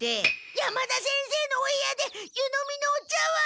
山田先生のお部屋で湯飲みのお茶わん。